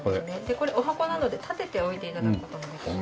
これお箱なので立てて置いて頂く事もできます。